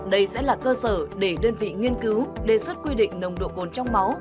đây sẽ là cơ sở để đơn vị nghiên cứu đề xuất quy định nồng độ cồn trong máu